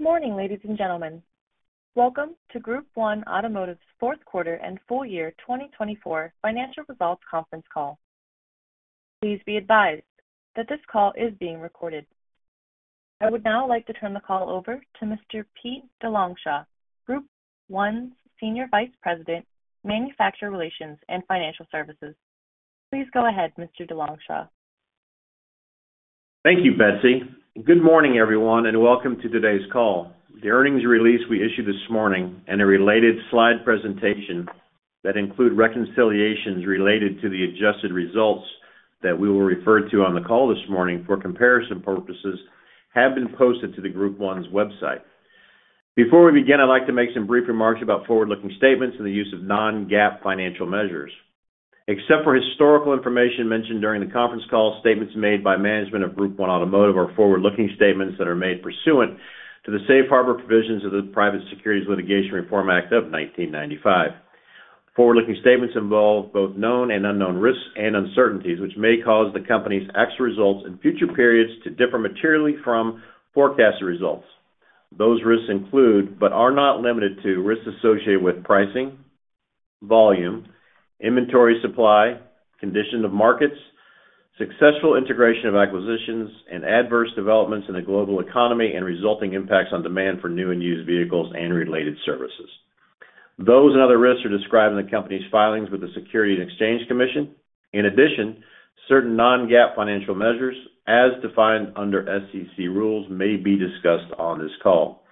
Good morning, ladies and gentlemen. Welcome to Group 1 Automotive's fourth quarter and full year 2024 financial results conference call. Please be advised that this call is being recorded. I would now like to turn the call over to Mr. Pete DeLongchamps, Group 1's Senior Vice President, Manufacturer Relations and Financial Services. Please go ahead, Mr. DeLongchamps. Thank you, Betsy. Good morning, everyone, and welcome to today's call. The earnings release we issued this morning and a related slide presentation that include reconciliations related to the adjusted results that we will refer to on the call this morning for comparison purposes have been posted to the Group 1's website. Before we begin, I'd like to make some brief remarks about forward-looking statements and the use of non-GAAP financial measures. Except for historical information mentioned during the conference call, statements made by management of Group 1 Automotive are forward-looking statements that are made pursuant to the Safe Harbor Provisions of the Private Securities Litigation Reform Act of 1995. Forward-looking statements involve both known and unknown risks and uncertainties, which may cause the company's actual results in future periods to differ materially from forecasted results. Those risks include, but are not limited to, risks associated with pricing, volume, inventory supply, condition of markets, successful integration of acquisitions, and adverse developments in the global economy and resulting impacts on demand for new and used vehicles and related services. Those and other risks are described in the company's filings with the Securities and Exchange Commission. In addition, certain non-GAAP financial measures, as defined under SEC rules, may be discussed on this call.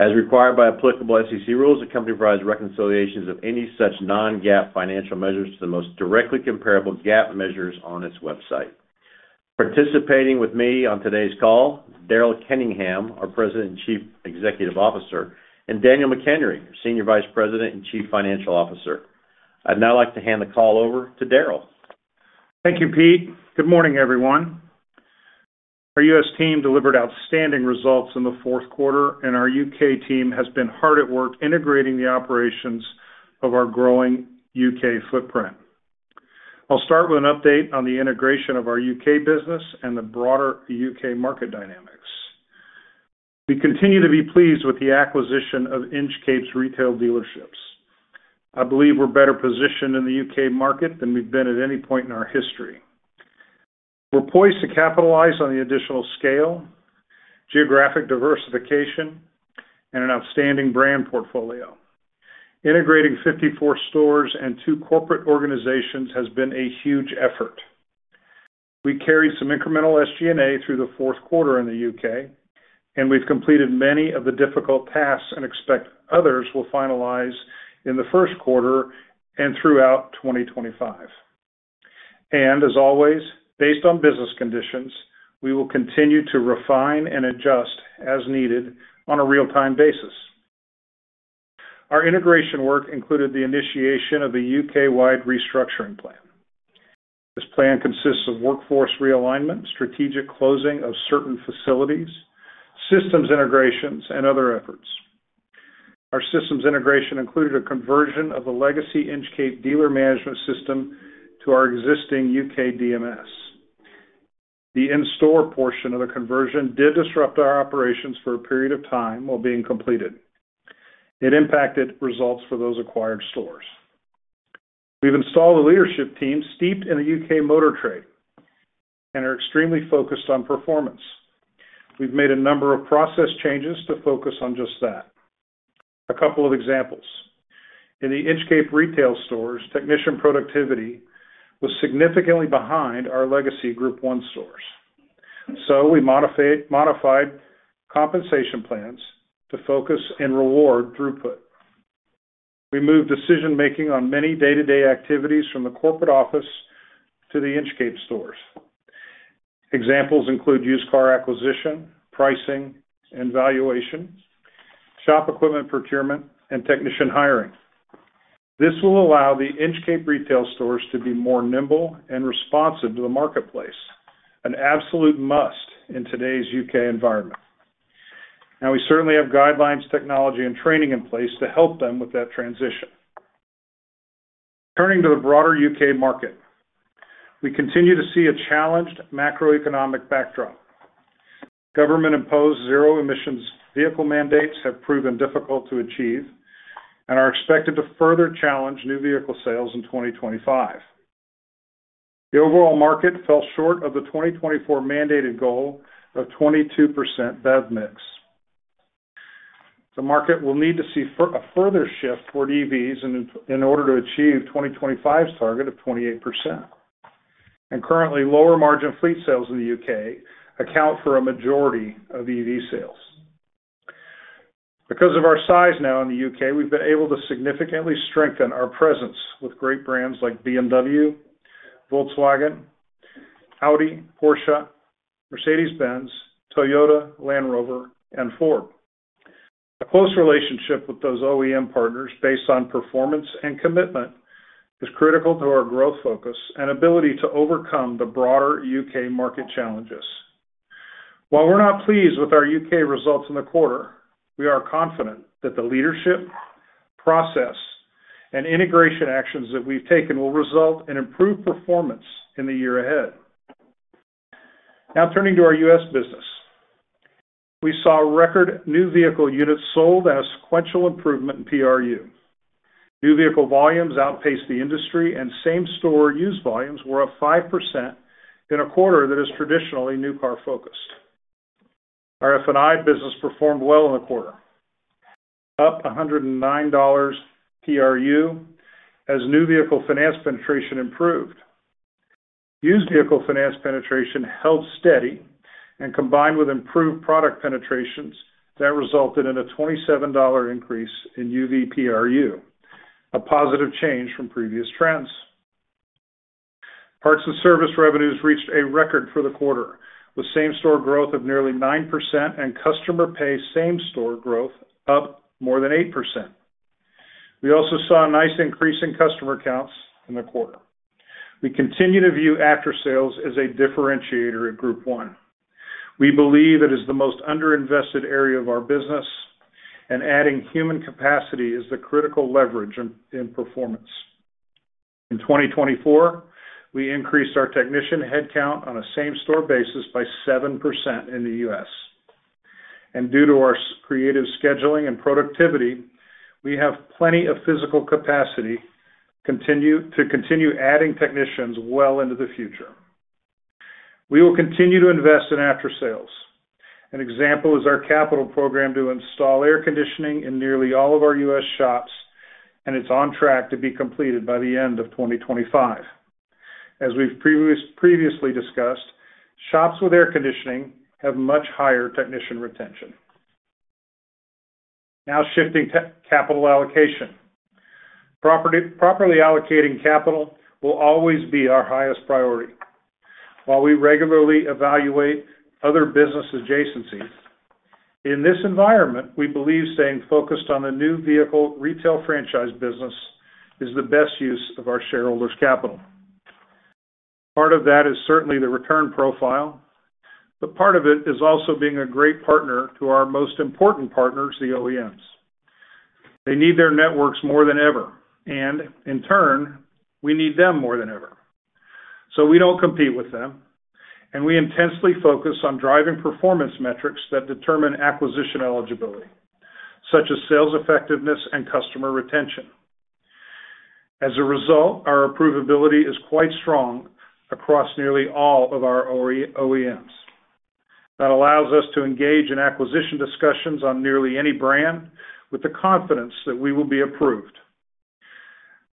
As required by applicable SEC rules, the company provides reconciliations of any such non-GAAP financial measures to the most directly comparable GAAP measures on its website. Participating with me on today's call, Daryl Kenningham, our President and Chief Executive Officer, and Daniel McHenry, Senior Vice President and Chief Financial Officer. I'd now like to hand the call over to Daryl. Thank you, Pete. Good morning, everyone. Our U.S. team delivered outstanding results in the fourth quarter, and our U.K. team has been hard at work integrating the operations of our growing U.K. footprint. I'll start with an update on the integration of our U.K. business and the broader U.K. market dynamics. We continue to be pleased with the acquisition of Inchcape's retail dealerships. I believe we're better positioned in the U.K. market than we've been at any point in our history. We're poised to capitalize on the additional scale, geographic diversification, and an outstanding brand portfolio. Integrating 54 stores and two corporate organizations has been a huge effort. We carried some incremental SG&A through the fourth quarter in the U.K., and we've completed many of the difficult tasks and expect others will finalize in the first quarter and throughout 2025. As always, based on business conditions, we will continue to refine and adjust as needed on a real-time basis. Our integration work included the initiation of the UK-wide restructuring plan. This plan consists of workforce realignment, strategic closing of certain facilities, systems integrations, and other efforts. Our systems integration included a conversion of the legacy Inchcape dealer management system to our existing UK DMS. The in-store portion of the conversion did disrupt our operations for a period of time while being completed. It impacted results for those acquired stores. We've installed a leadership team steeped in the UK motor trade and are extremely focused on performance. We've made a number of process changes to focus on just that. A couple of examples. In the Inchcape retail stores, technician productivity was significantly behind our legacy Group 1 stores. We modified compensation plans to focus and reward throughput. We moved decision-making on many day-to-day activities from the corporate office to the Inchcape stores. Examples include used car acquisition, pricing, and valuation, shop equipment procurement, and technician hiring. This will allow the Inchcape retail stores to be more nimble and responsive to the marketplace, an absolute must in today's UK environment. Now, we certainly have guidelines, technology, and training in place to help them with that transition. Turning to the broader UK market, we continue to see a challenged macroeconomic backdrop. Government-imposed zero-emissions vehicle mandates have proven difficult to achieve and are expected to further challenge new vehicle sales in 2025. The overall market fell short of the 2024 mandated goal of 22% BEV mix. The market will need to see a further shift toward EVs in order to achieve 2025's target of 28%. Currently, lower margin fleet sales in the U.K. account for a majority of EV sales. Because of our size now in the U.K., we've been able to significantly strengthen our presence with great brands like BMW, Volkswagen, Audi, Porsche, Mercedes-Benz, Toyota, Land Rover, and Ford. A close relationship with those OEM partners based on performance and commitment is critical to our growth focus and ability to overcome the broader U.K. market challenges. While we're not pleased with our U.K. results in the quarter, we are confident that the leadership, process, and integration actions that we've taken will result in improved performance in the year ahead. Now, turning to our U.S. business, we saw record new vehicle units sold and a sequential improvement in PRU. New vehicle volumes outpaced the industry, and same-store used volumes were up 5% in a quarter that is traditionally new car focused. Our F&I business performed well in the quarter, up $109 PRU as new vehicle finance penetration improved. Used vehicle finance penetration held steady and combined with improved product penetrations that resulted in a $27 increase in UV PRU, a positive change from previous trends. Parts and service revenues reached a record for the quarter, with same-store growth of nearly 9% and customer pay same-store growth up more than 8%. We also saw a nice increase in customer counts in the quarter. We continue to view after-sales as a differentiator at Group 1. We believe it is the most underinvested area of our business, and adding human capacity is the critical leverage in performance. In 2024, we increased our technician headcount on a same-store basis by 7% in the US. And due to our creative scheduling and productivity, we have plenty of physical capacity to continue adding technicians well into the future. We will continue to invest in after-sales. An example is our capital program to install air conditioning in nearly all of our U.S. shops, and it's on track to be completed by the end of 2025. As we've previously discussed, shops with air conditioning have much higher technician retention. Now, shifting capital allocation. Properly allocating capital will always be our highest priority. While we regularly evaluate other business adjacencies, in this environment, we believe staying focused on the new vehicle retail franchise business is the best use of our shareholders' capital. Part of that is certainly the return profile, but part of it is also being a great partner to our most important partners, the OEMs. They need their networks more than ever, and in turn, we need them more than ever. So we don't compete with them, and we intensely focus on driving performance metrics that determine acquisition eligibility, such as sales effectiveness and customer retention. As a result, our approvability is quite strong across nearly all of our OEMs. That allows us to engage in acquisition discussions on nearly any brand with the confidence that we will be approved.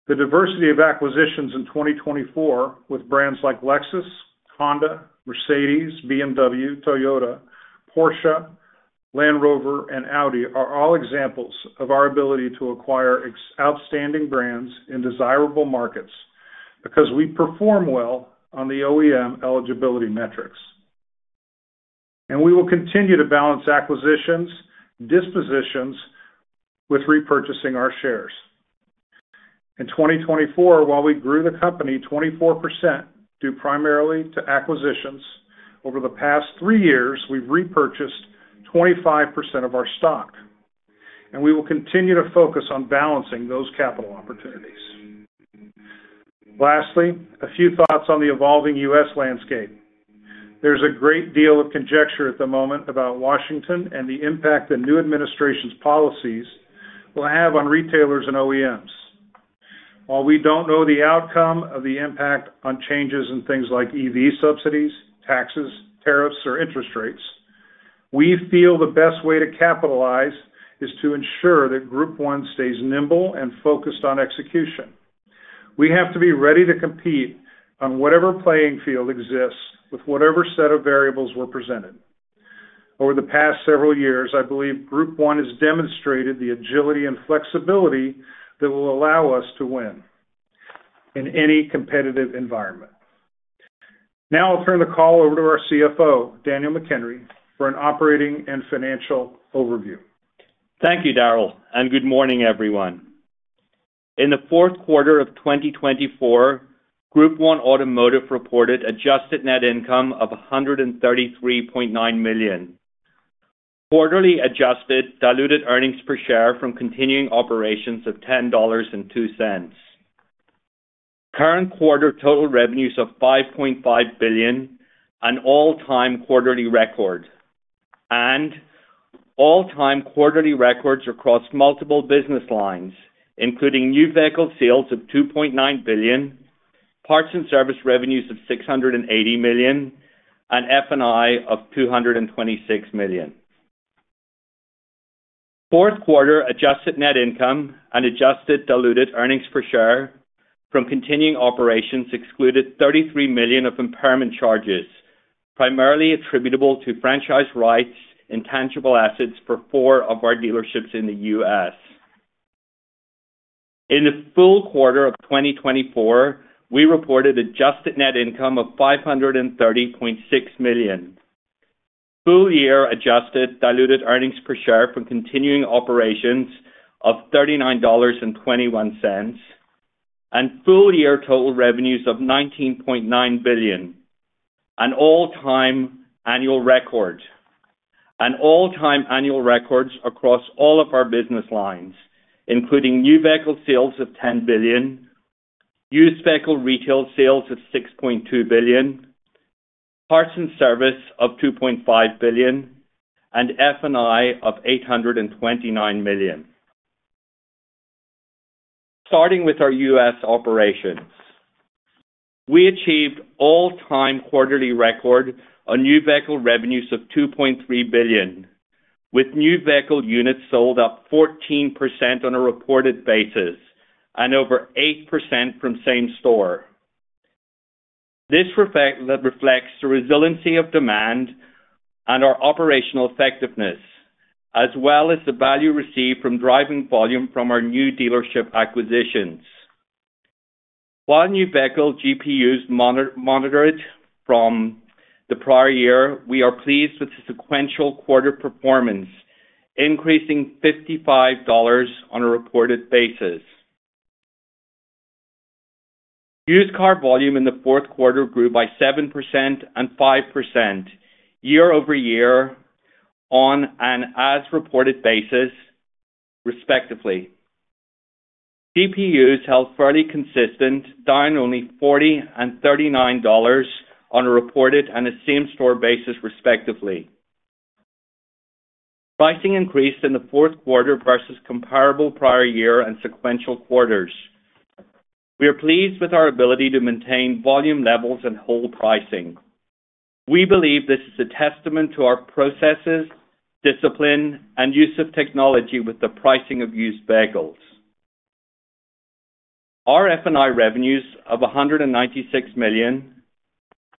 The diversity of acquisitions in 2024 with brands like Lexus, Honda, Mercedes, BMW, Toyota, Porsche, Land Rover, and Audi are all examples of our ability to acquire outstanding brands in desirable markets because we perform well on the OEM eligibility metrics. And we will continue to balance acquisitions, dispositions, with repurchasing our shares. In 2024, while we grew the company 24% due primarily to acquisitions, over the past three years, we've repurchased 25% of our stock, and we will continue to focus on balancing those capital opportunities. Lastly, a few thoughts on the evolving U.S. landscape. There's a great deal of conjecture at the moment about Washington and the impact the new administration's policies will have on retailers and OEMs. While we don't know the outcome of the impact on changes in things like EV subsidies, taxes, tariffs, or interest rates, we feel the best way to capitalize is to ensure that Group 1 stays nimble and focused on execution. We have to be ready to compete on whatever playing field exists with whatever set of variables were presented. Over the past several years, I believe Group 1 has demonstrated the agility and flexibility that will allow us to win in any competitive environment. Now, I'll turn the call over to our CFO, Daniel McHenry, for an operating and financial overview. Thank you, Daryl, and good morning, everyone. In the fourth quarter of 2024, Group 1 Automotive reported adjusted net income of $133.9 million. Quarterly adjusted diluted earnings per share from continuing operations of $10.02. Current quarter total revenues of $5.5 billion, an all-time quarterly record, and all-time quarterly records across multiple business lines, including new vehicle sales of $2.9 billion, parts and service revenues of $680 million, and F&I of $226 million. Fourth quarter adjusted net income and adjusted diluted earnings per share from continuing operations excluded $33 million of impairment charges, primarily attributable to franchise rights and tangible assets for four of our dealerships in the U.S. In the full quarter of 2024, we reported adjusted net income of $530.6 million. Full-year adjusted diluted earnings per share from continuing operations of $39.21 and full-year total revenues of $19.9 billion, an all-time annual record, and all-time annual records across all of our business lines, including new vehicle sales of $10 billion, used vehicle retail sales of $6.2 billion, parts and service of $2.5 billion, and F&I of $829 million. Starting with our U.S. operations, we achieved all-time quarterly record on new vehicle revenues of $2.3 billion, with new vehicle units sold up 14% on a reported basis and over 8% from same-store. This reflects the resiliency of demand and our operational effectiveness, as well as the value received from driving volume from our new dealership acquisitions. While new vehicle GPUs moderated from the prior year, we are pleased with the sequential quarter performance, increasing $55 on a reported basis. Used car volume in the fourth quarter grew by 7% and 5% year over year on an as-reported basis, respectively. GPUs held fairly consistent, down only $40 and $39 on a reported and a same-store basis, respectively. Pricing increased in the fourth quarter versus comparable prior year and sequential quarters. We are pleased with our ability to maintain volume levels and hold pricing. We believe this is a testament to our processes, discipline, and use of technology with the pricing of used vehicles. Our F&I revenues of $196 million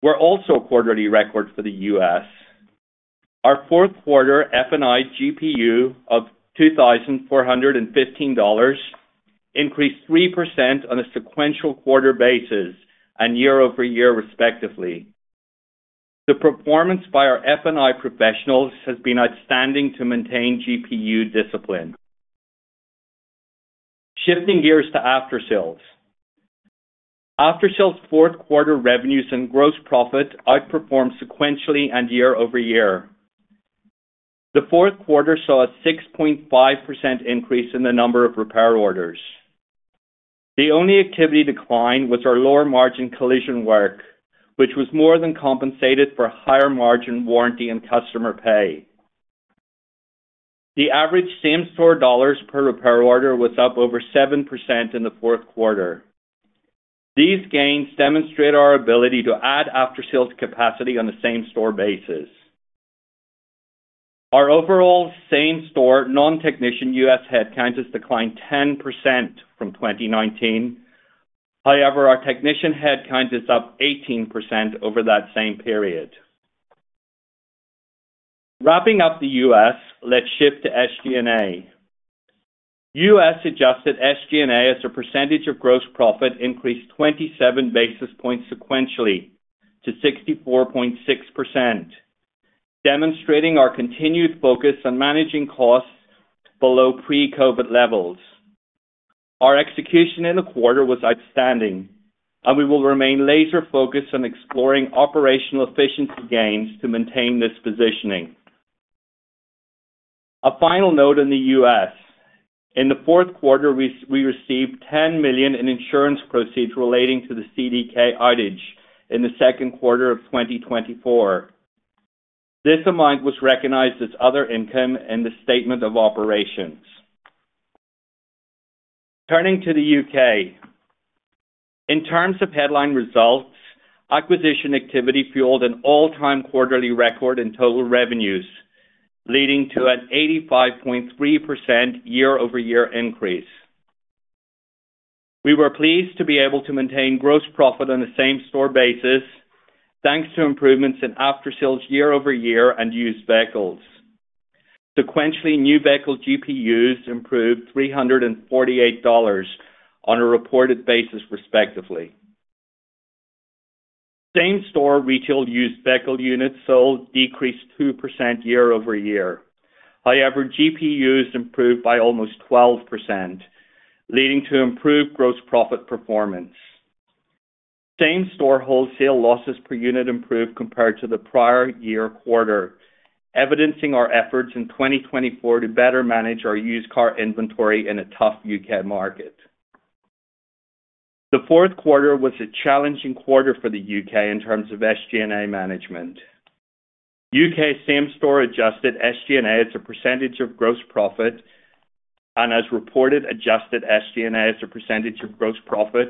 were also quarterly records for the U.S. Our fourth quarter F&I GPU of $2,415 increased 3% on a sequential quarter basis and year over year, respectively. The performance by our F&I professionals has been outstanding to maintain GPU discipline. Shifting gears to after-sales. After-sales fourth quarter revenues and gross profit outperformed sequentially and year over year. The fourth quarter saw a 6.5% increase in the number of repair orders. The only activity decline was our lower margin collision work, which was more than compensated for higher margin warranty and customer pay. The average same-store dollars per repair order was up over 7% in the fourth quarter. These gains demonstrate our ability to add after-sales capacity on a same-store basis. Our overall same-store non-technician U.S. headcount has declined 10% from 2019. However, our technician headcount is up 18% over that same period. Wrapping up the U.S., let's shift to SG&A. U.S. adjusted SG&A as a percentage of gross profit increased 27 basis points sequentially to 64.6%, demonstrating our continued focus on managing costs below pre-COVID levels. Our execution in the quarter was outstanding, and we will remain laser-focused on exploring operational efficiency gains to maintain this positioning. A final note on the U.S. In the fourth quarter, we received $10 million in insurance proceeds relating to the CDK outage in the second quarter of 2024. This amount was recognized as other income in the statement of operations. Turning to the U.K. In terms of headline results, acquisition activity fueled an all-time quarterly record in total revenues, leading to an 85.3% year-over-year increase. We were pleased to be able to maintain gross profit on the same-store basis, thanks to improvements in after-sales year-over-year and used vehicles. Sequentially, new vehicle GPUs improved $348 on a reported basis, respectively. Same-store retail used vehicle units sold decreased 2% year-over-year. However, GPUs improved by almost 12%, leading to improved gross profit performance. Same-store wholesale losses per unit improved compared to the prior year quarter, evidencing our efforts in 2024 to better manage our used car inventory in a tough U.K. market. The fourth quarter was a challenging quarter for the UK in terms of SG&A management. UK same-store adjusted SG&A as a percentage of gross profit and as reported adjusted SG&A as a percentage of gross profit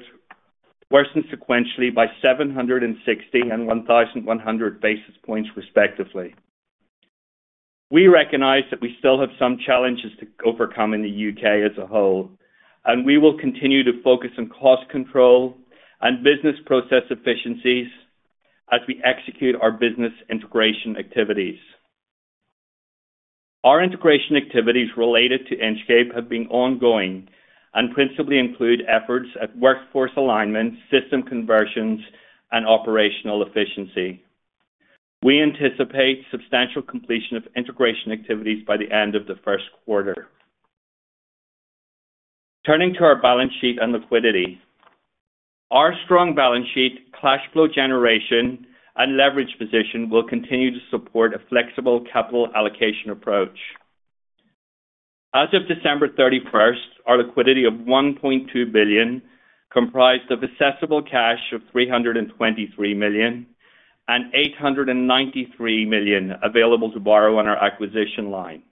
worsened sequentially by 760 and 1,100 basis points, respectively. We recognize that we still have some challenges to overcome in the UK as a whole, and we will continue to focus on cost control and business process efficiencies as we execute our business integration activities. Our integration activities related to Inchcape have been ongoing and principally include efforts at workforce alignment, system conversions, and operational efficiency. We anticipate substantial completion of integration activities by the end of the first quarter. Turning to our balance sheet and liquidity. Our strong balance sheet, cash flow generation, and leverage position will continue to support a flexible capital allocation approach. As of December 31st, our liquidity of $1.2 billion comprised of accessible cash of $323 million and $893 million available to borrow on our acquisition line.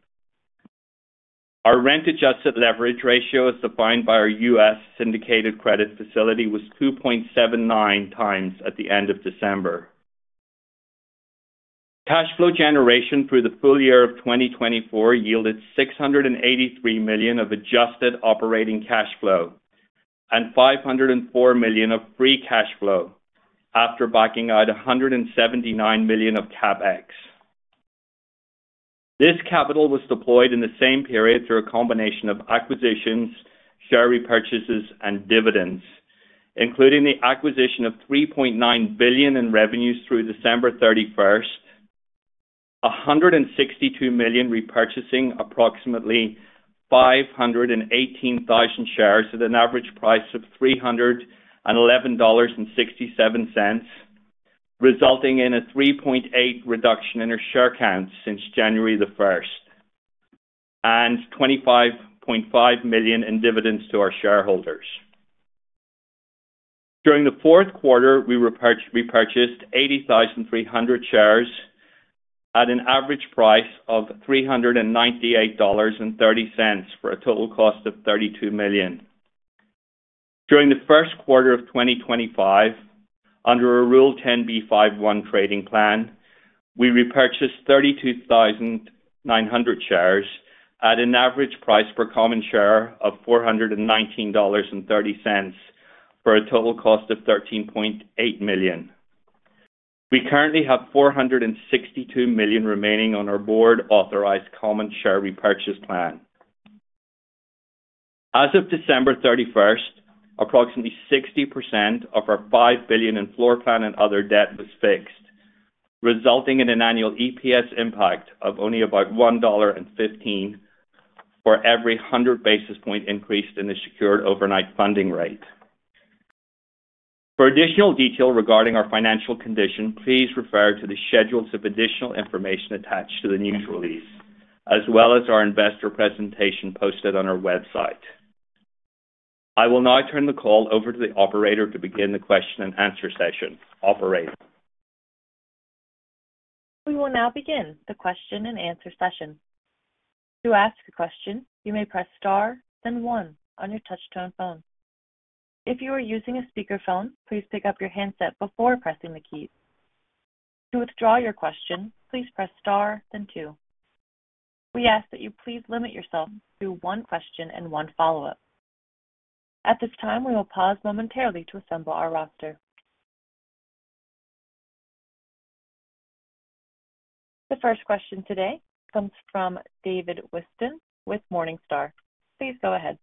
Our rent-adjusted leverage ratio as defined by our U.S. syndicated credit facility was 2.79 times at the end of December. Cash flow generation through the full year of 2024 yielded $683 million of adjusted operating cash flow and $504 million of free cash flow after backing out $179 million of CapEx. This capital was deployed in the same period through a combination of acquisitions, share repurchases, and dividends, including the acquisition of $3.9 billion in revenues through December 31st, $162 million repurchasing approximately 518,000 shares at an average price of $311.67, resulting in a 3.8% reduction in our share count since January 1st, and $25.5 million in dividends to our shareholders. During the fourth quarter, we repurchased 80,300 shares at an average price of $398.30 for a total cost of $32 million. During the first quarter of 2025, under a Rule 10b5-1 trading plan, we repurchased 32,900 shares at an average price per common share of $419.30 for a total cost of $13.8 million. We currently have $462 million remaining on our board authorized common share repurchase plan. As of December 31st, approximately 60% of our $5 billion in floor plan and other debt was fixed, resulting in an annual EPS impact of only about $1.15 for every 100 basis point increase in the Secured Overnight Funding Rate. For additional detail regarding our financial condition, please refer to the schedules of additional information attached to the news release, as well as our investor presentation posted on our website. I will now turn the call over to the operator to begin the question and answer session. Operator. We will now begin the question and answer session. To ask a question, you may press star then one on your touch-tone phone. If you are using a speakerphone, please pick up your handset before pressing the keys. To withdraw your question, please press star then two. We ask that you please limit yourself to one question and one follow-up. At this time, we will pause momentarily to assemble our roster. The first question today comes from David Whiston with Morningstar. Please go ahead.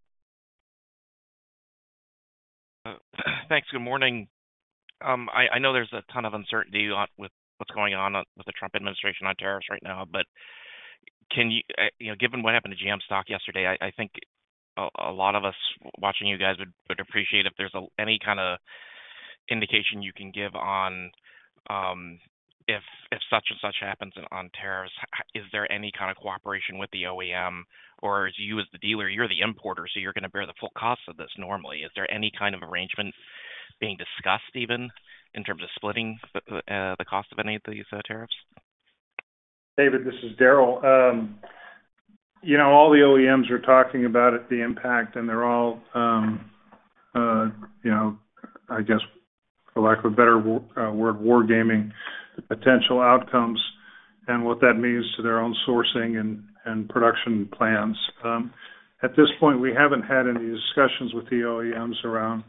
Thanks. Good morning. I know there's a ton of uncertainty with what's going on with the Trump administration on tariffs right now, but given what happened to GM stock yesterday, I think a lot of us watching you guys would appreciate if there's any kind of indication you can give on if such and such happens on tariffs, is there any kind of cooperation with the OEM, or as you as the dealer, you're the importer, so you're going to bear the full cost of this normally. Is there any kind of arrangement being discussed even in terms of splitting the cost of any of these tariffs? David, this is Daryl. All the OEMs are talking about the impact, and they're all, I guess, for lack of a better word, wargaming potential outcomes and what that means to their own sourcing and production plans. At this point, we haven't had any discussions with the OEMs around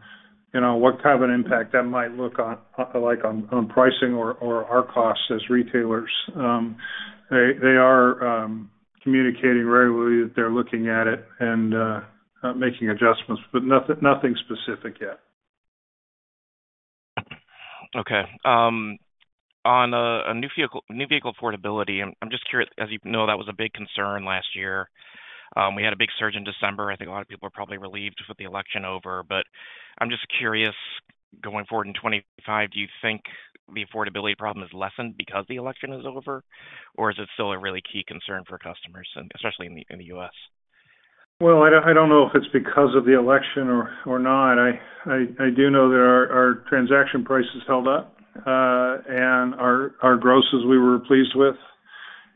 what kind of an impact that might look like on pricing or our costs as retailers. They are communicating regularly that they're looking at it and making adjustments, but nothing specific yet. Okay. On new vehicle affordability, I'm just curious, as you know, that was a big concern last year. We had a big surge in December. I think a lot of people are probably relieved with the election over, but I'm just curious, going forward in 2025, do you think the affordability problem has lessened because the election is over, or is it still a really key concern for customers, especially in the U.S.? I don't know if it's because of the election or not. I do know that our transaction prices held up, and our grosses we were pleased with,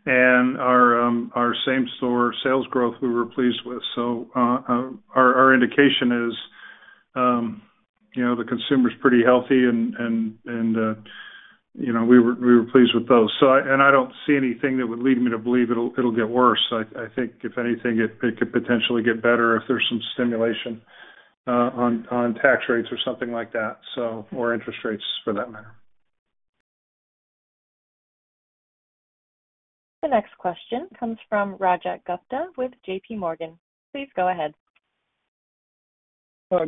and our same-store sales growth we were pleased with. Our indication is the consumer is pretty healthy, and we were pleased with those. I don't see anything that would lead me to believe it'll get worse. I think, if anything, it could potentially get better if there's some stimulation on tax rates or something like that, or interest rates for that matter. The next question comes from Rajat Gupta with JPMorgan. Please go ahead.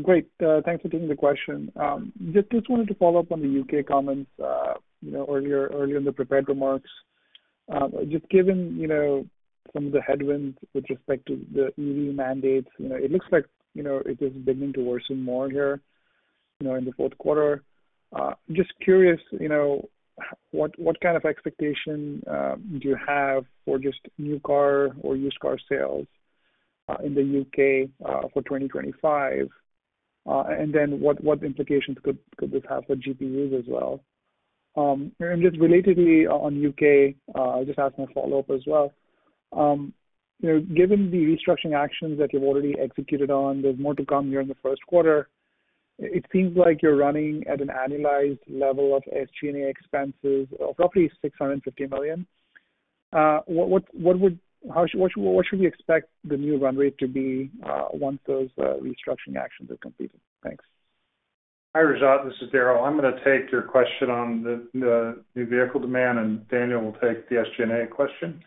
Great. Thanks for taking the question. Just wanted to follow up on the UK comments earlier in the prepared remarks. Just given some of the headwinds with respect to the EV mandates, it looks like it is beginning to worsen more here in the fourth quarter. Just curious, what kind of expectation do you have for just new car or used car sales in the UK for 2025? And then what implications could this have for GPUs as well? And just relatedly on UK, I just asked my follow-up as well. Given the restructuring actions that you've already executed on, there's more to come here in the first quarter, it seems like you're running at an annualized level of SG&A expenses of roughly $650 million. What should we expect the new run rate to be once those restructuring actions are completed? Thanks. Hi, Rajat. This is Daryl. I'm going to take your question on the new vehicle demand, and Daniel will take the SG&A question.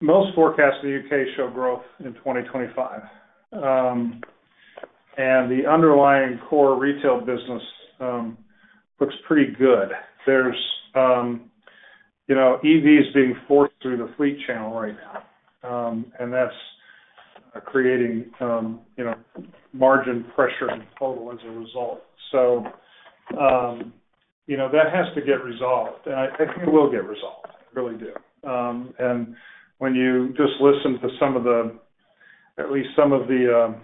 Most forecasts in the U.K. show growth in 2025, and the underlying core retail business looks pretty good. There's EVs being forced through the fleet channel right now, and that's creating margin pressure in total as a result. So that has to get resolved, and I think it will get resolved. I really do. And when you just listen to some of the, at least some of the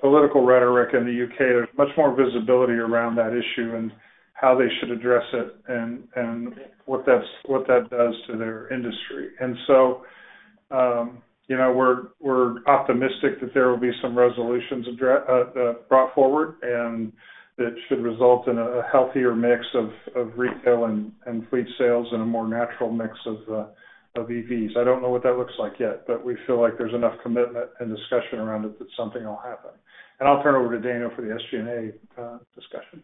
political rhetoric in the U.K., there's much more visibility around that issue and how they should address it and what that does to their industry. And so we're optimistic that there will be some resolutions brought forward, and that should result in a healthier mix of retail and fleet sales and a more natural mix of EVs. I don't know what that looks like yet, but we feel like there's enough commitment and discussion around it that something will happen, and I'll turn it over to Daniel for the SG&A discussion.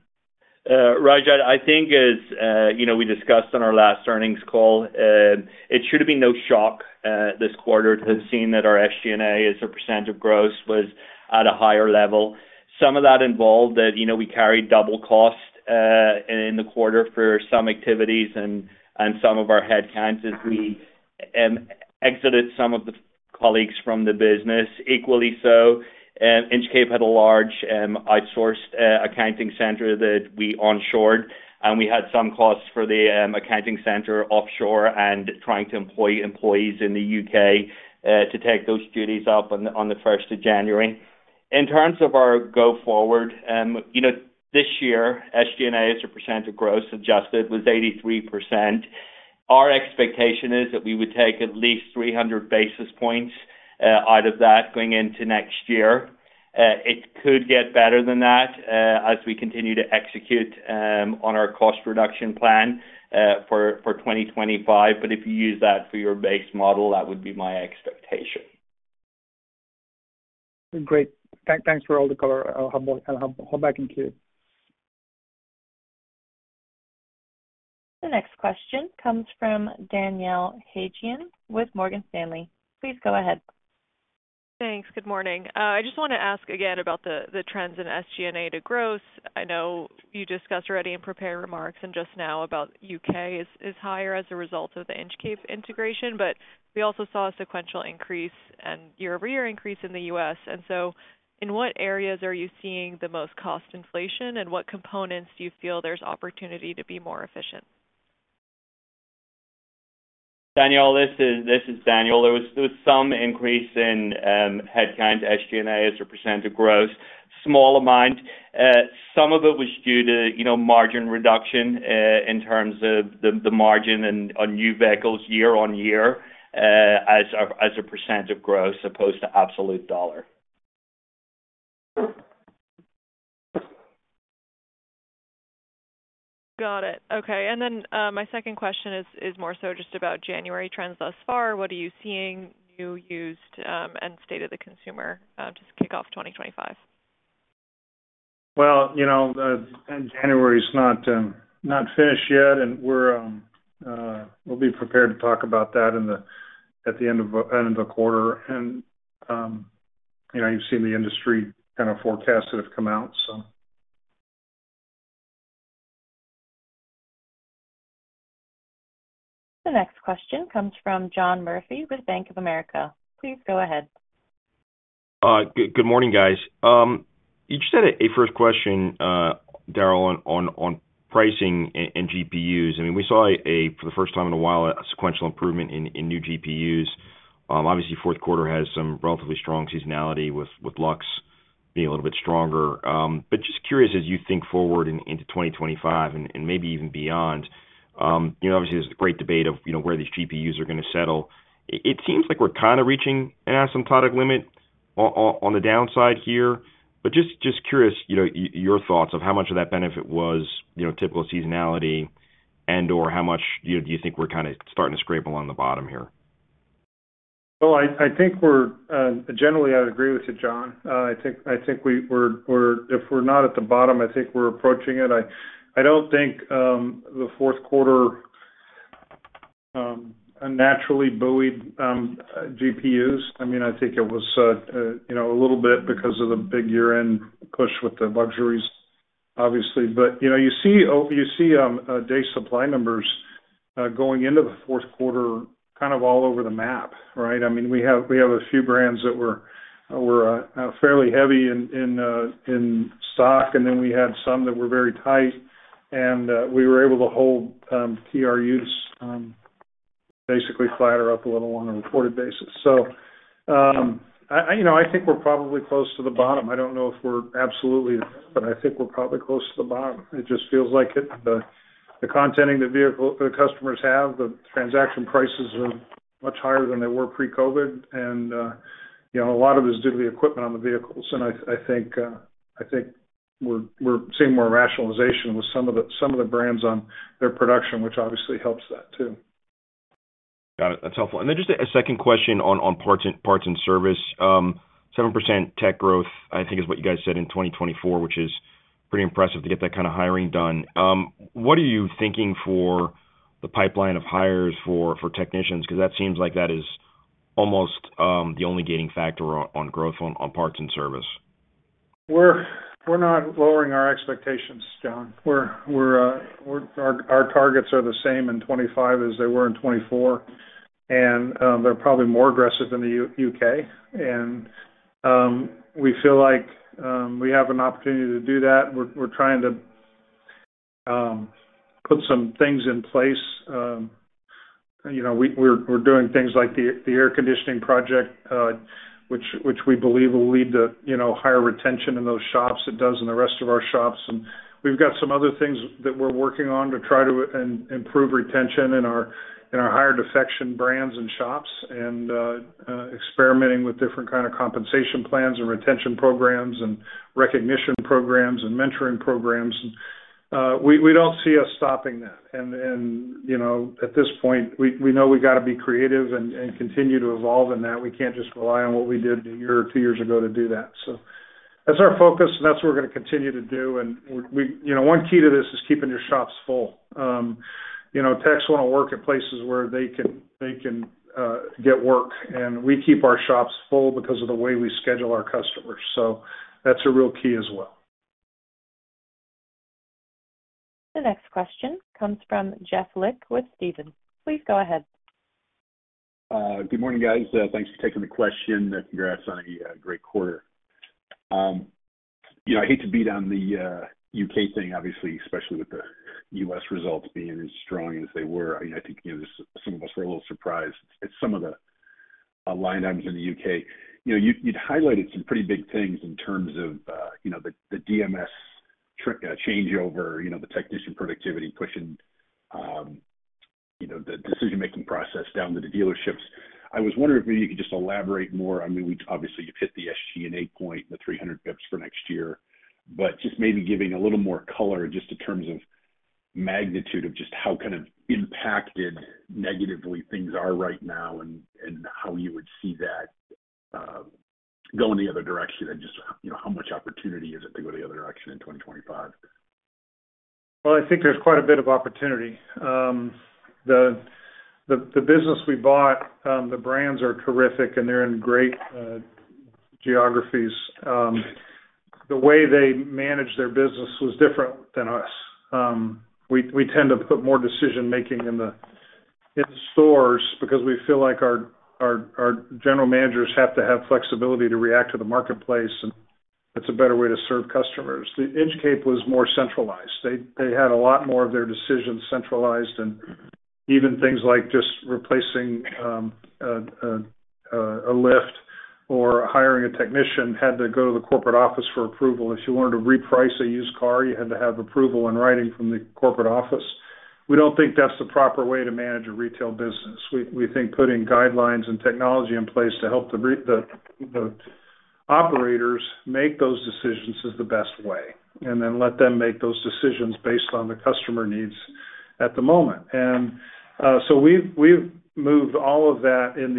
Rajat, I think, as we discussed on our last earnings call, it should have been no shock this quarter to have seen that our SG&A as a percent of gross was at a higher level. Some of that involved that we carried double cost in the quarter for some activities and some of our headcounts as we exited some of the colleagues from the business. Equally so, Inchcape had a large outsourced accounting center that we onshored, and we had some costs for the accounting center offshore and trying to employ employees in the UK to take those duties up on the 1st of January. In terms of our go-forward, this year, SG&A as a percent of gross adjusted was 83%. Our expectation is that we would take at least 300 basis points out of that going into next year. It could get better than that as we continue to execute on our cost reduction plan for 2025, but if you use that for your base model, that would be my expectation. Great. Thanks for all the color. I'll hop back in queue. The next question comes from Daniela Haigian with Morgan Stanley. Please go ahead. Thanks. Good morning. I just want to ask again about the trends in SG&A to gross. I know you discussed already in prepared remarks and just now about UK is higher as a result of the Inchcape integration, but we also saw a sequential increase and year-over-year increase in the US. And so in what areas are you seeing the most cost inflation, and what components do you feel there's opportunity to be more efficient? Daniela, this is Daniel. There was some increase in headcount SG&A as a % of gross. Small amount. Some of it was due to margin reduction in terms of the margin on new vehicles year-on-year as a % of gross as opposed to absolute dollar. Got it. Okay. And then my second question is more so just about January trends thus far. What are you seeing new, used, and state of the consumer to kick off 2025? January is not finished yet, and we'll be prepared to talk about that at the end of the quarter. You've seen the industry kind of forecasts that have come out, so. The next question comes from John Murphy with Bank of America. Please go ahead. Good morning, guys. You just had a first question, Daryl, on pricing and GPUs. I mean, we saw, for the first time in a while, a sequential improvement in new GPUs. Obviously, fourth quarter has some relatively strong seasonality with luxury being a little bit stronger. But just curious, as you think forward into 2025 and maybe even beyond, obviously, there's a great debate of where these GPUs are going to settle. It seems like we're kind of reaching an asymptotic limit on the downside here. But just curious, your thoughts of how much of that benefit was typical seasonality and/or how much do you think we're kind of starting to scrape along the bottom here? I think we're generally. I would agree with you, John. I think if we're not at the bottom, I think we're approaching it. I don't think the fourth quarter naturally buoyed GPUs. I mean, I think it was a little bit because of the big year-end push with the luxuries, obviously. But you see day supply numbers going into the fourth quarter kind of all over the map, right? I mean, we have a few brands that were fairly heavy in stock, and then we had some that were very tight, and we were able to hold PRUs basically flatter up a little on a reported basis. So I think we're probably close to the bottom. I don't know if we're absolutely, but I think we're probably close to the bottom. It just feels like the content the customers have, the transaction prices are much higher than they were pre-COVID, and a lot of it is due to the equipment on the vehicles, and I think we're seeing more rationalization with some of the brands on their production, which obviously helps that too. Got it. That's helpful. And then just a second question on parts and service. 7% tech growth, I think, is what you guys said in 2024, which is pretty impressive to get that kind of hiring done. What are you thinking for the pipeline of hires for technicians? Because that seems like that is almost the only gating factor on growth on parts and service. We're not lowering our expectations, John. Our targets are the same in 2025 as they were in 2024, and they're probably more aggressive in the UK. And we feel like we have an opportunity to do that. We're trying to put some things in place. We're doing things like the air conditioning project, which we believe will lead to higher retention in those shops it does in the rest of our shops. And we've got some other things that we're working on to try to improve retention in our higher defection brands and shops and experimenting with different kinds of compensation plans and retention programs and recognition programs and mentoring programs. We don't see us stopping that. And at this point, we know we got to be creative and continue to evolve in that. We can't just rely on what we did a year or two years ago to do that. So that's our focus, and that's what we're going to continue to do. And one key to this is keeping your shops full. Techs want to work at places where they can get work, and we keep our shops full because of the way we schedule our customers. So that's a real key as well. The next question comes from Jeff Lick with Stephens. Please go ahead. Good morning, guys. Thanks for taking the question. Congrats on a great quarter. I hate to beat on the U.K. thing, obviously, especially with the U.S. results being as strong as they were. I think some of us were a little surprised at some of the line items in the U.K. You'd highlighted some pretty big things in terms of the DMS changeover, the technician productivity pushing the decision-making process down to the dealerships. I was wondering if you could just elaborate more. I mean, obviously, you've hit the SG&A point, the 300 basis points for next year, but just maybe giving a little more color just in terms of magnitude of just how kind of impacted negatively things are right now and how you would see that go in the other direction and just how much opportunity is it to go the other direction in 2025? Well, I think there's quite a bit of opportunity. The business we bought, the brands are terrific, and they're in great geographies. The way they manage their business was different than us. We tend to put more decision-making in the stores because we feel like our general managers have to have flexibility to react to the marketplace, and that's a better way to serve customers. Inchcape was more centralized. They had a lot more of their decisions centralized, and even things like just replacing a lift or hiring a technician had to go to the corporate office for approval. If you wanted to reprice a used car, you had to have approval in writing from the corporate office. We don't think that's the proper way to manage a retail business. We think putting guidelines and technology in place to help the operators make those decisions is the best way, and then let them make those decisions based on the customer needs at the moment. And so we've moved all of that in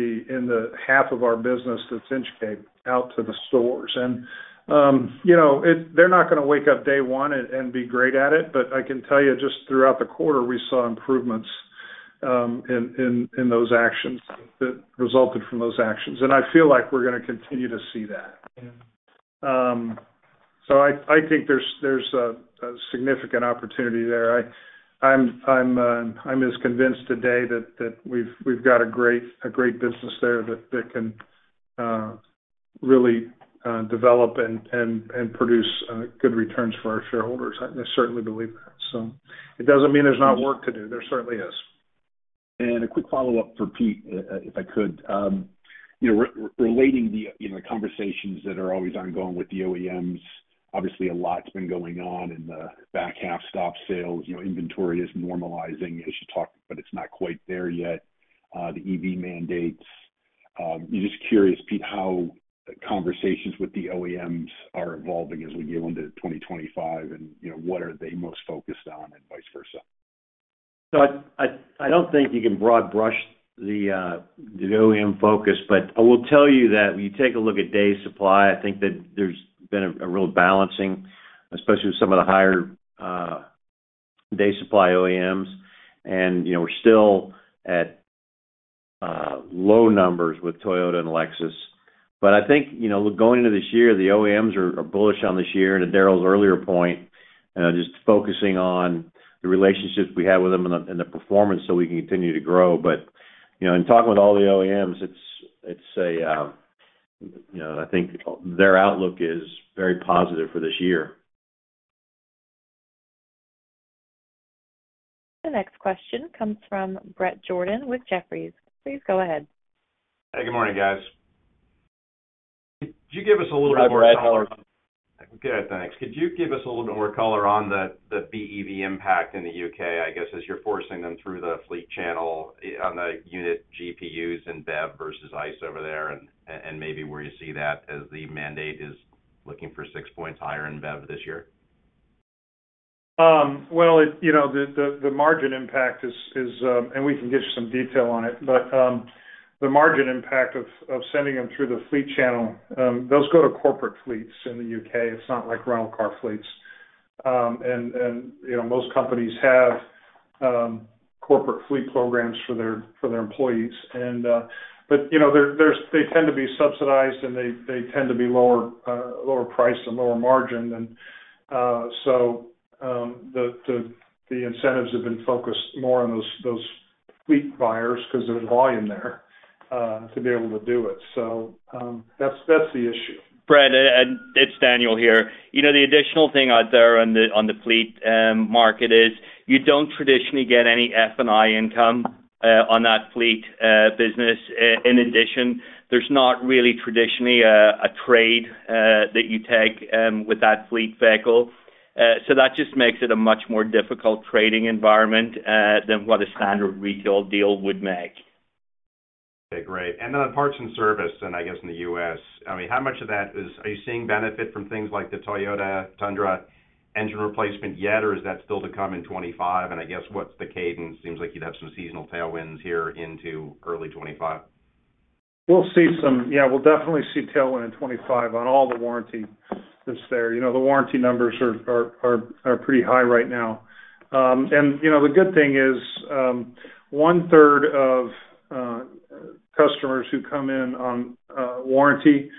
the half of our business that's Inchcape out to the stores. And they're not going to wake up day one and be great at it, but I can tell you just throughout the quarter, we saw improvements in those actions that resulted from those actions. And I feel like we're going to continue to see that. So I think there's a significant opportunity there. I'm as convinced today that we've got a great business there that can really develop and produce good returns for our shareholders. I certainly believe that. So it doesn't mean there's not work to do. There certainly is. A quick follow-up for Pete, if I could. Relating the conversations that are always ongoing with the OEMs, obviously, a lot's been going on in the back half, stop sales. Inventory is normalizing, as you talk, but it's not quite there yet. The EV mandates. Just curious, Pete, how conversations with the OEMs are evolving as we get into 2025, and what are they most focused on and vice versa? So I don't think you can broad brush the OEM focus, but I will tell you that when you take a look at day supply, I think that there's been a real balancing, especially with some of the higher day supply OEMs. And we're still at low numbers with Toyota and Lexus. But I think going into this year, the OEMs are bullish on this year. And to Daryl's earlier point, just focusing on the relationships we have with them and the performance so we can continue to grow. But in talking with all the OEMs, it's, I think, their outlook is very positive for this year. The next question comes from Brett Jordan with Jefferies. Please go ahead. Hey, good morning, guys. Could you give us a little bit more color on? Hi, Brett. Good. Thanks. Could you give us a little bit more color on the BEV impact in the UK, I guess, as you're forcing them through the fleet channel on the unit GPUs and BEV versus ICE over there and maybe where you see that as the mandate is looking for six points higher in BEV this year? The margin impact is, and we can get you some detail on it, but the margin impact of sending them through the fleet channel. Those go to corporate fleets in the UK. It's not like rental car fleets. Most companies have corporate fleet programs for their employees. But they tend to be subsidized, and they tend to be lower priced and lower margin. So the incentives have been focused more on those fleet buyers because there's volume there to be able to do it. That's the issue. Brett, it's Daniel here. The additional thing out there on the fleet market is you don't traditionally get any F&I income on that fleet business. In addition, there's not really traditionally a trade that you take with that fleet vehicle. So that just makes it a much more difficult trading environment than what a standard retail deal would make. Okay. Great. And then on parts and service, and I guess in the U.S., I mean, how much of that are you seeing benefit from things like the Toyota Tundra engine replacement yet, or is that still to come in 2025? And I guess what's the cadence? Seems like you'd have some seasonal tailwinds here into early 2025. We'll see some. Yeah, we'll definitely see tailwind in 2025 on all the warranty that's there. The warranty numbers are pretty high right now. And the good thing is one-third of customers who come in on warranty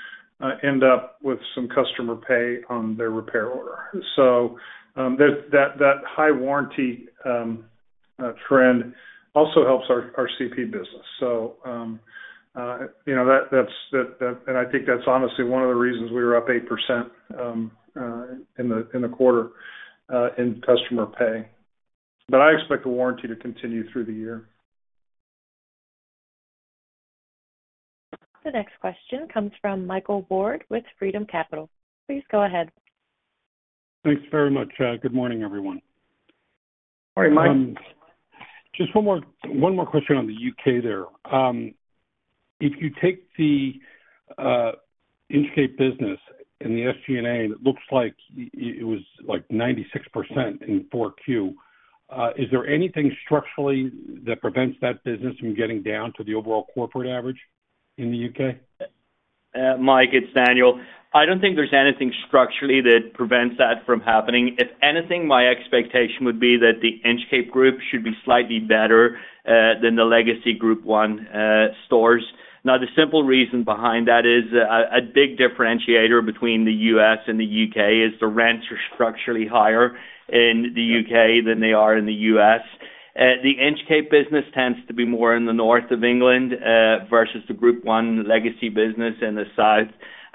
end up with some customer pay on their repair order. So that high warranty trend also helps our CP business. So that's, and I think that's honestly one of the reasons we were up 8% in the quarter in customer pay. But I expect the warranty to continue through the year. The next question comes from Michael Ward with Freedom Capital. Please go ahead. Thanks very much. Good morning, everyone. Morning, Mike. Just one more question on the UK there. If you take the Inchcape business and the SG&A, and it looks like it was like 96% in 4Q, is there anything structurally that prevents that business from getting down to the overall corporate average in the UK? Mike, it's Daniel. I don't think there's anything structurally that prevents that from happening. If anything, my expectation would be that the Inchcape group should be slightly better than the legacy Group 1 stores. Now, the simple reason behind that is a big differentiator between the U.S. and the U.K. is the rents are structurally higher in the U.K. than they are in the U.S. The Inchcape business tends to be more in the north of England versus the Group 1 legacy business in the south.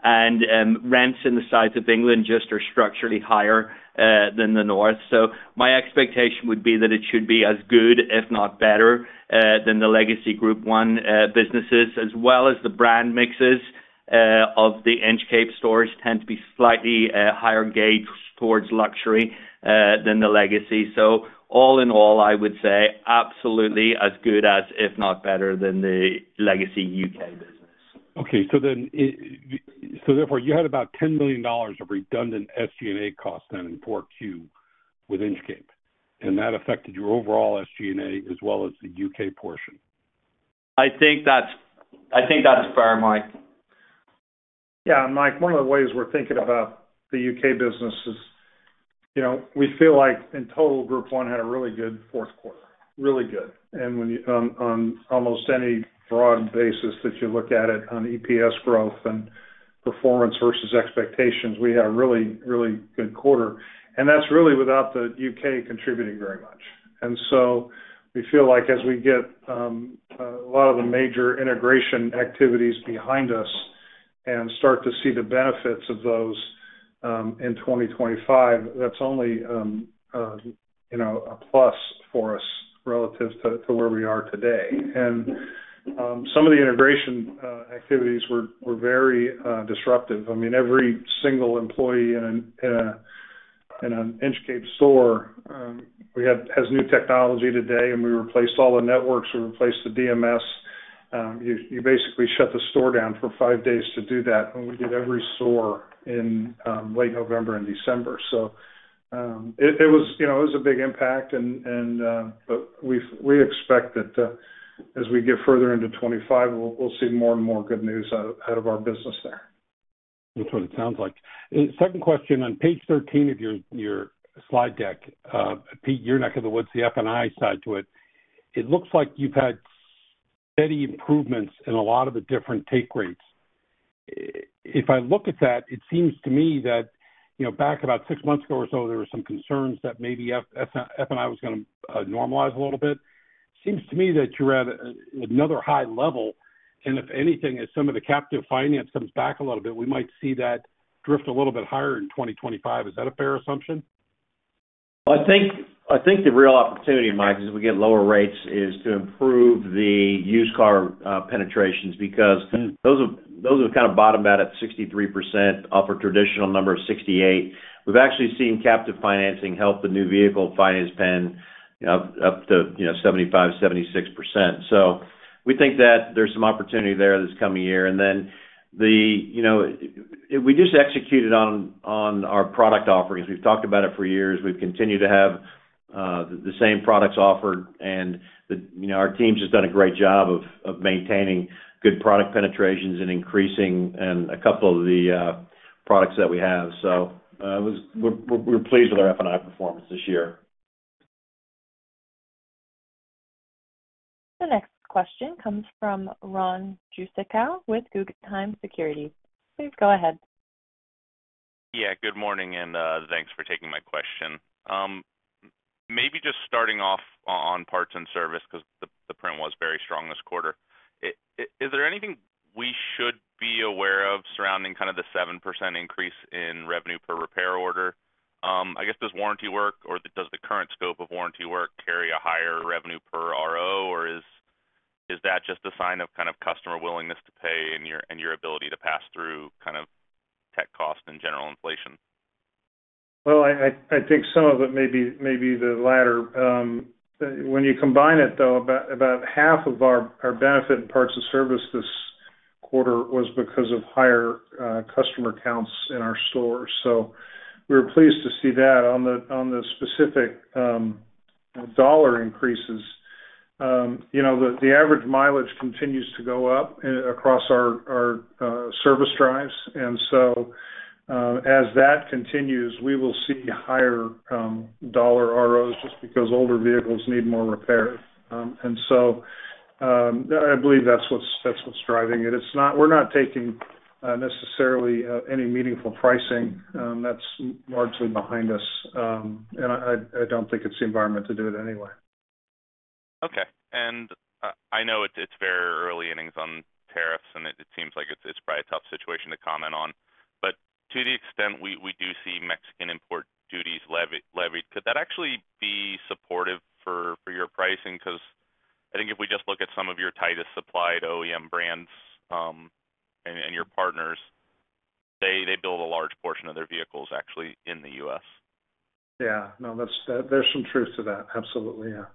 And rents in the south of England just are structurally higher than the north. So my expectation would be that it should be as good, if not better, than the legacy Group 1 businesses, as well as the brand mixes of the Inchcape stores tend to be slightly higher-end towards luxury than the legacy. So all in all, I would say absolutely as good as, if not better, than the legacy UK business. Okay. So therefore, you had about $10 million of redundant SG&A costs then in 4Q with Inchcape. And that affected your overall SG&A as well as the UK portion. I think that's fair, Mike. Yeah. Mike, one of the ways we're thinking about the UK business is we feel like in total, Group 1 had a really good fourth quarter. Really good. And on almost any broad basis that you look at it on EPS growth and performance versus expectations, we had a really, really good quarter. And that's really without the UK contributing very much. And so we feel like as we get a lot of the major integration activities behind us and start to see the benefits of those in 2025, that's only a plus for us relative to where we are today. And some of the integration activities were very disruptive. I mean, every single employee in an Inchcape store has new technology today, and we replaced all the networks. We replaced the DMS. You basically shut the store down for five days to do that, and we did every store in late November and December. So it was a big impact, but we expect that as we get further into 2025, we'll see more and more good news out of our business there. That's what it sounds like. Second question on page 13 of your slide deck, Pete, you're not going to look at the F&I side to it. It looks like you've had steady improvements in a lot of the different take rates. If I look at that, it seems to me that back about six months ago or so, there were some concerns that maybe F&I was going to normalize a little bit. Seems to me that you're at another high level, and if anything, if some of the captive finance comes back a little bit, we might see that drift a little bit higher in 2025. Is that a fair assumption? I think the real opportunity, Mike, is we get lower rates is to improve the used car penetrations because those are kind of bottomed out at 63% off a traditional number of 68. We've actually seen captive financing help the new vehicle finance pen up to 75%-76%. So we think that there's some opportunity there this coming year. And then we just executed on our product offerings. We've talked about it for years. We've continued to have the same products offered. And our team's just done a great job of maintaining good product penetrations and increasing a couple of the products that we have. So we're pleased with our F&I performance this year. The next question comes from Ron Jewsikow with Guggenheim Securities. Please go ahead. Yeah. Good morning, and thanks for taking my question. Maybe just starting off on parts and service because the print was very strong this quarter. Is there anything we should be aware of surrounding kind of the 7% increase in revenue per repair order? I guess does warranty work or does the current scope of warranty work carry a higher revenue per RO, or is that just a sign of kind of customer willingness to pay and your ability to pass through kind of tech cost and general inflation? I think some of it may be the latter. When you combine it, though, about half of our benefit in parts and service this quarter was because of higher customer counts in our stores. We were pleased to see that. On the specific dollar increases, the average mileage continues to go up across our service drives. And so as that continues, we will see higher dollar ROs just because older vehicles need more repairs. And so I believe that's what's driving it. We're not taking necessarily any meaningful pricing. That's largely behind us. And I don't think it's the environment to do it anyway. Okay. And I know it's very early innings on tariffs, and it seems like it's probably a tough situation to comment on. But to the extent we do see Mexican import duties levied, could that actually be supportive for your pricing? Because I think if we just look at some of your tightest supplied OEM brands and your partners, they build a large portion of their vehicles actually in the U.S. Yeah. No, there's some truth to that. Absolutely. Yeah.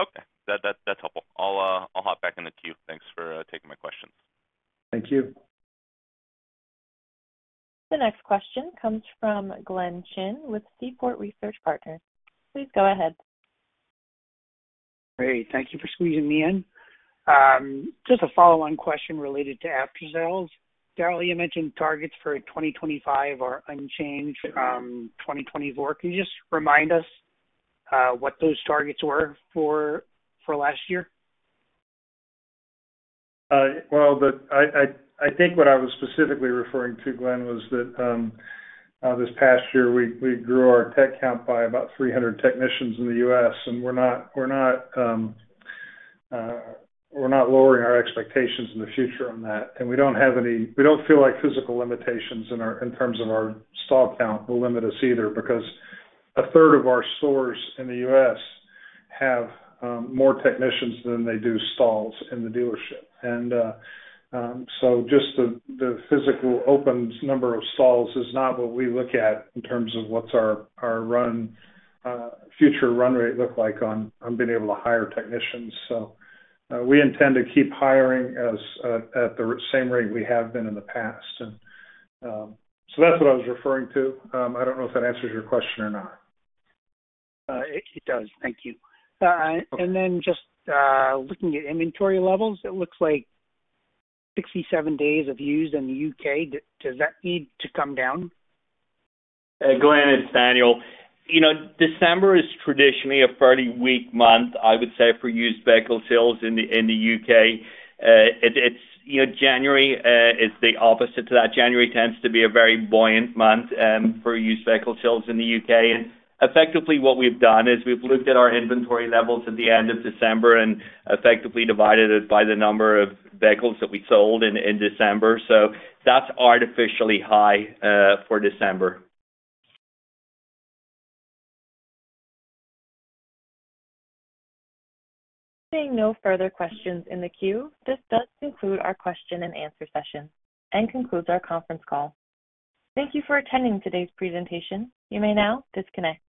Okay. That's helpful. I'll hop back in the queue. Thanks for taking my questions. Thank you. The next question comes from Glenn Chin with Seaport Research Partners. Please go ahead. Great. Thank you for squeezing me in. Just a follow-on question related to after-sales. Daryl, you mentioned targets for 2025 are unchanged from 2024. Can you just remind us what those targets were for last year? I think what I was specifically referring to, Glen, was that this past year, we grew our tech count by about 300 technicians in the U.S. We're not lowering our expectations in the future on that. We don't have any, we don't feel like physical limitations in terms of our stall count will limit us either because a third of our stores in the U.S. have more technicians than they do stalls in the dealership. Just the physical open number of stalls is not what we look at in terms of what's our future run rate look like on being able to hire technicians. We intend to keep hiring at the same rate we have been in the past. That's what I was referring to. I don't know if that answers your question or not. It does. Thank you. And then just looking at inventory levels, it looks like 67 days of used in the U.K. Does that need to come down? Glenn, it's Daniel. December is traditionally a fairly weak month, I would say, for used vehicle sales in the U.K. January is the opposite to that. January tends to be a very buoyant month for used vehicle sales in the U.K. And effectively, what we've done is we've looked at our inventory levels at the end of December and effectively divided it by the number of vehicles that we sold in December. So that's artificially high for December. Seeing no further questions in the queue, this does conclude our question and answer session and concludes our conference call. Thank you for attending today's presentation. You may now disconnect.